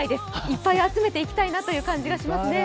いっぱい集めていきたいなという感じがしますね。